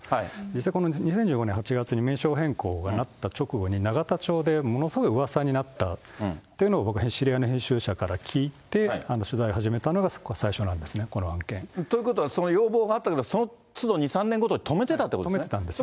実際、この２０１５年８月に名称変更があった直後に、永田町でものすごいうわさになったというのを僕、知り合いの編集者から聞いて、取材を始めたのが最初なんですね、この案件。ということはその要望があったけど、そのつど、２、３年ごと止めてたんです。